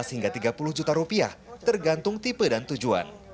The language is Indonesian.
lima belas hingga tiga puluh juta rupiah tergantung tipe dan tujuan